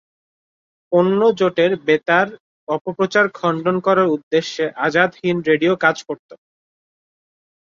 অন্য জোটের বেতার অপপ্রচার খণ্ডন করার উদ্দেশ্যে আজাদ হিন্দ রেডিও কাজ করত।